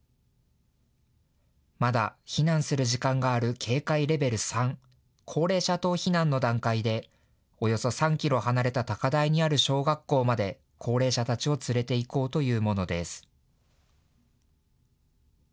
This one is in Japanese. まだ避難する時間がある警戒レベル３、高齢者等避難の段階でおよそ３キロ離れた高台にある小学校まで高齢者たちを連れていこうというものです。